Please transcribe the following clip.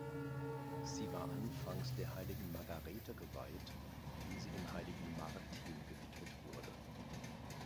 Sie war anfangs der heiligen Margarete geweiht, ehe sie dem heiligen Martin gewidmet wurde.